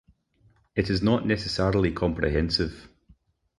It is not necessarily comprehensive.